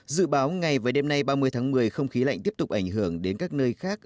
dự báo ngày và đêm nay ba mươi tháng một mươi không khí lạnh tiếp tục ảnh hưởng đến các nơi khác